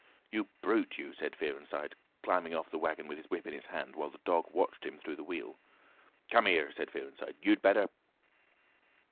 "You brute, you!" said Fearenside, climbing off the waggon with his whip in his hand, while the dog watched him through the wheel. "Come here," said Fearenside—"You'd better."